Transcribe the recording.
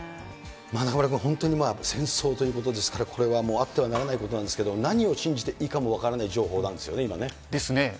中丸君、本当に戦争ということですから、これはもうあってはならないことなんですけれども、何を信じていいかも分からない情ですね。